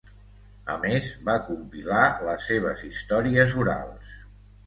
A més, va compilar les seves històries orals.